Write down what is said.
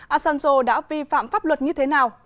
asanjo đã vi phạm pháp luật như thế nào